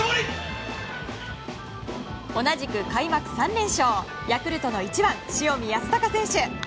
同じく開幕３連勝ヤクルトの１番、塩見泰隆選手